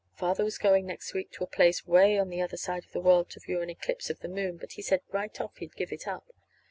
Father was going next week to a place 'way on the other side of the world to view an eclipse of the moon, but he said right off he'd give it up.